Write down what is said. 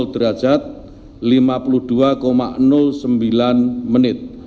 derajat lima puluh dua sembilan menit